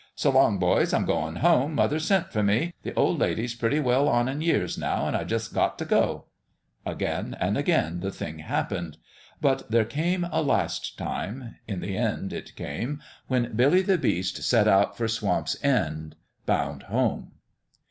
" So long, boys ! I'm goin' home. Mother's sent fer me. The oP lady's pretty well on in years, now. An' I jus' got t' go." Again and again the thing happened ; 124 BILLY the BEAST: STARTS HOME but there came a last time in the end it came when Billy the Beast set out for Swamp's End, bound home.